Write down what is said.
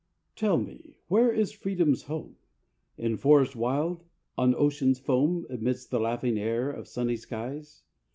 _ Tell me, where is Freedom's home? In forest wild on ocean's foam, Amidst the laughing air Of sunny skies?